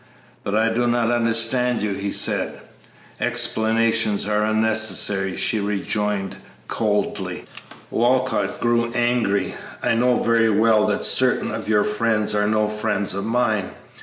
"But I do not understand you," he said. "Explanations are unnecessary," she rejoined, coldly. Walcott grew angry. "I know very well that certain of your friends are no friends of mine.